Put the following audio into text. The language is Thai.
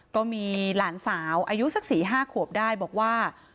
ก็มีหลานสาวอายุสัก๔๕ขวบได้บอกว่า